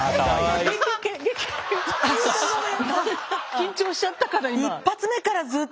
緊張しちゃったから今。